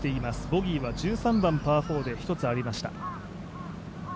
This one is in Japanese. ボギーは１３番パー４で１つありました。